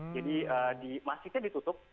jadi masjidnya ditutup